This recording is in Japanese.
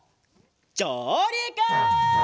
じょうりく！